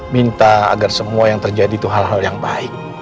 minta agar semua yang terjadi itu hal hal yang baik